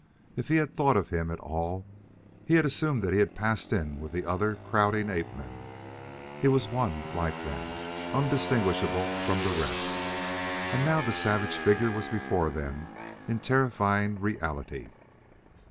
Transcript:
If he had thought of him at all he had assumed that he had passed in with the other crowding ape men; he was one like them, undistinguishable from the rest. And now the savage figure was before them in terrifying reality.